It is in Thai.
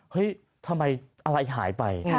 เฮ้ยทำไมอะไรหายไป